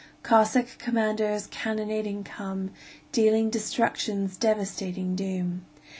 Cossack commanders cannonading come, Dealing destruction's devastating doom.